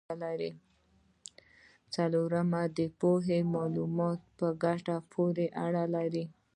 څلورمه پوهه د معلوماتو په ګټه پورې اړه لري.